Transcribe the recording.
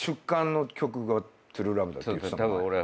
って言ってたもん前。